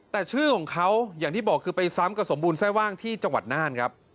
แต่ชื่อของเขาอย่างที่บอกคือไปซ้ำกับสมบูรณไส้ว่างที่จังหวัดน่านครับ